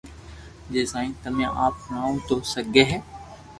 جي سائين تمي آپ ھڻاويو تو سگي ھي